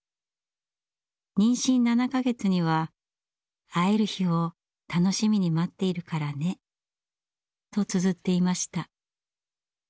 妊娠７か月には「会える日を楽しみに待っているからね」とつづっていました。